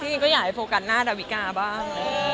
จริงก็อยากให้โฟกัสหน้าดาวิกาบ้าง